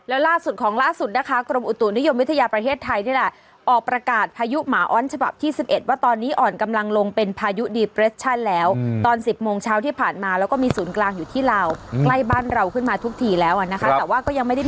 ใกล้บ้านเราขึ้นมาทุกทีแล้วอ่ะนะคะแต่ว่าก็ยังไม่ได้มีผลของพ่อเบอร์ตรงกับไทยนะ